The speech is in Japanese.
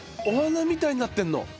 お花みたいになってるの。